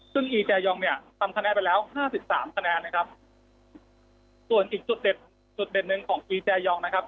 ซึ่งอีแจยองเนี่ยทำคะแนนไปแล้วห้าสิบสามคะแนนนะครับส่วนอีกจุดเด็ดจุดเด่นหนึ่งของอีแจยองนะครับ